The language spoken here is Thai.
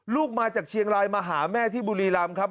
มาจากเชียงรายมาหาแม่ที่บุรีรำครับ